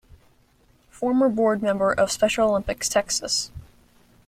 Former Board Member of Special Olympics Texas.